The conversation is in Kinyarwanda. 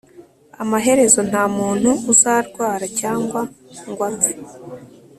Amaherezo nta muntu uzarwara cyangwa ngo apfe